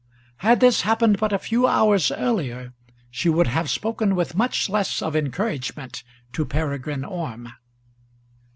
Had this happened but a few hours earlier she would have spoken with much less of encouragement to Peregrine Orme.